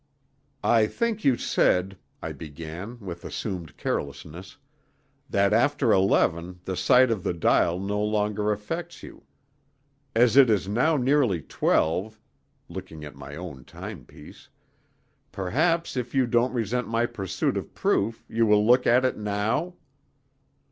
"I think you said," I began, with assumed carelessness, "that after eleven the sight of the dial no longer affects you. As it is now nearly twelve"—looking at my own timepiece—"perhaps, if you don't resent my pursuit of proof, you will look at it now."